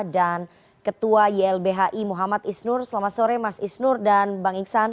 dan ketua ylbhi muhammad isnur selamat sore mas isnur dan bang iksan